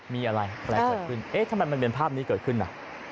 มีอะไรอะไรเกิดขึ้นเอ๊ะทำไมมันเป็นภาพนี้เกิดขึ้นอ่ะ